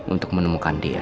untuk menemukan dia